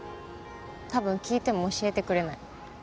多分聞いても教えてくれない。